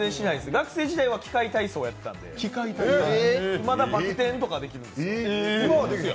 学生時代は器械体操していたので、まだバク転とかできるんですよ。